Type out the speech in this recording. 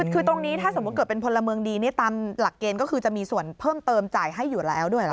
คือตรงนี้ถ้าสมมุติเกิดเป็นพลเมืองดีตามหลักเกณฑ์ก็คือจะมีส่วนเพิ่มเติมจ่ายให้อยู่แล้วด้วยเหรอค